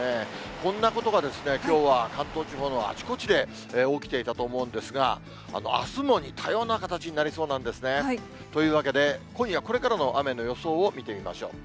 こんなことがきょうは、関東地方のあちこちで起きていたと思うんですが、あすも似たような形になりそうなんですね。というわけで、今夜これからの雨の予想を見てみましょう。